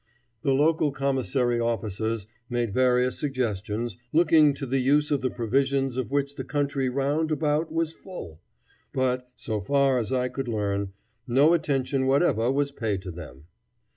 The local commissary officers made various suggestions looking to the use of the provisions of which the country round about was full, but, so far as I could learn, no attention whatever was paid to them.